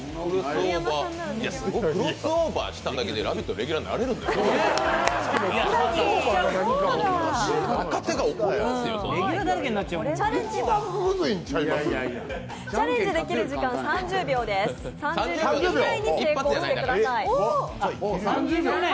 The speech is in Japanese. クロスオーバーしただけで「ラヴィット！」のレギュラーになれるんですからね。